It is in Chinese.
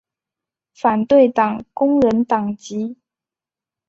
反对党工人党籍。